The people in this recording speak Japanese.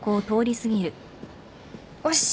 おし！